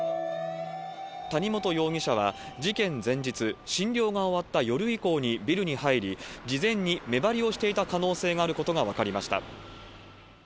谷本容疑者は事件前日、診療が終わった夜以降にビルに入り、事前に目張りをしていた可能性があることが分かりました。